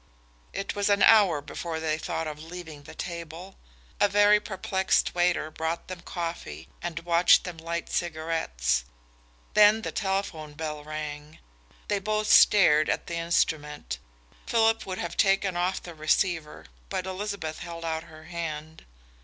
It was an hour before they thought of leaving the table. A very perplexed waiter brought them coffee and watched them light cigarettes. Then the telephone bell rang. They both stared at the instrument. Philip would have taken off the receiver, but Elizabeth held out her hand.